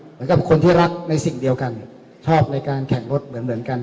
เหมือนกับคนที่รักในสิ่งเดียวกันชอบในการแข่งรถเหมือนกัน